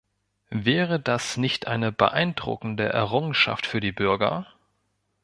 Wäre das nicht eine beeindruckende Errungenschaft für die Bürger?